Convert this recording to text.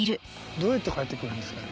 どうやって帰って来るんですかね？